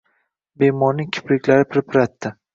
Bemorning kipriklari pirpiratdi